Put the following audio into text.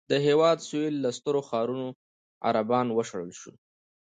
د هېواد سوېل له سترو ښارونو عربان وشړل شول.